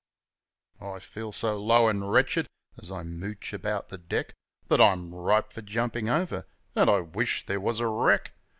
I feel so low an' wretched, as I mooch about the deck, That I'm ripe for jumpin' over an' I wish there was a wreck